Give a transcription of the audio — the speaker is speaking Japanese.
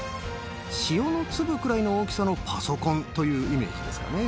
塩の粒くらいの大きさのパソコンというイメージですかね。